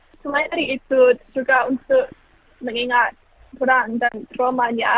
juga untuk mengingat perang dan trauma nya